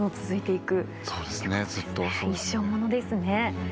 一生ものですね。